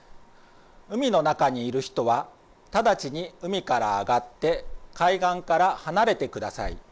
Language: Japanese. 海の中にいる人は直ちに海から上がって海岸から離れてください。